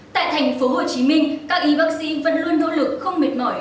tại thành phố hồ chí minh các y bác sĩ vẫn luôn nỗ lực không mệt mỏi